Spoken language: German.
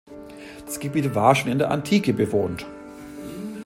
Das Gebiet war schon in der Antike bewohnt.